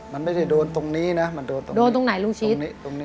มันไม่ได้โดนตรงนี้นะโดนตรงไหนลุงชีศ